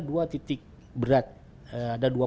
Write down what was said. dua titik berat ada dua